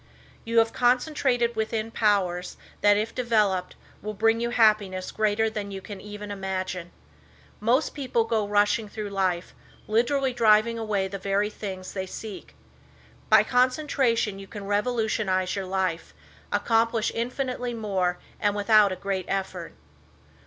You have concentrated within powers that if developed will bring you happiness greater than you can even imagine. Most people go rushing through life, literally driving away the very things they seek. By concentration you can revolutionize your life, accomplish infinitely more and without a great effort.